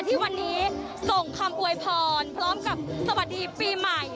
ที่วันนี้ส่งคำอวยพรพร้อมกับสวัสดีปีใหม่